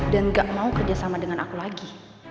dan gak mau kerjasama dengan aku lagi